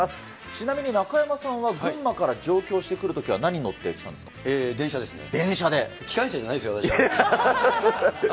ちなみに中山さんは群馬から上京してくるときには何に乗ってきた電車ですね。